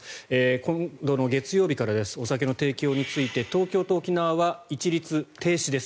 今度の月曜日からお酒の提供について東京と沖縄は一律停止です。